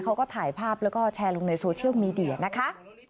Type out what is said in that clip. เขาก็ถ่ายภาพแล้วก็แชร์ลงในโซเชียลมีเดียนะคะ